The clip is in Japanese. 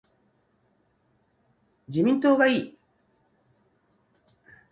自民党がいい